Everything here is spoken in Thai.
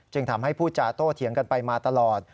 ทำให้ผู้จาโตเถียงกันไปมาตลอด